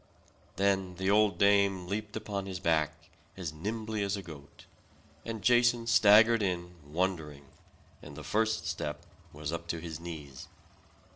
Then the old dame leapt upon his back, as nimbly as a goat; and Jason staggered in, wondering; and the first step was up to his knees.